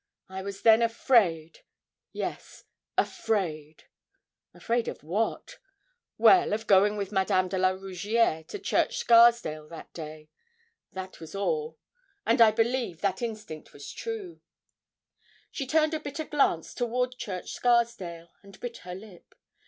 I was then afraid yes, afraid. Afraid of what? Well, of going with Madame de la Rougierre to Church Scarsdale that day. That was all. And I believe that instinct was true. She turned a bitter glance toward Church Scarsdale, and bit her lip.